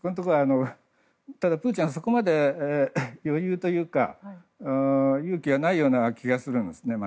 ただプーチンは、そこまで余裕というか、まだ勇気がないような気がするんですね。